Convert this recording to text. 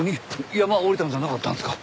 山下りたんじゃなかったんですか？